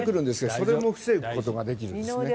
それも防ぐことができるんですね。